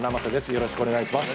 よろしくお願いします